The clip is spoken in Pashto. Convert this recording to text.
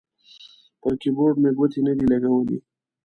پر کیبورډ مې ګوتې نه دي لګولي